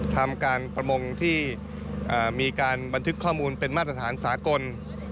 ทำการประมงที่มีการบันทึกข้อมูลเป็นมาตรฐานสากล